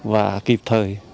và kịp thời